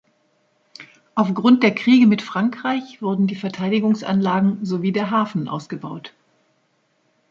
Aufgrund der Kriege mit Frankreich wurden die Verteidigungsanlagen sowie der Hafen ausgebaut.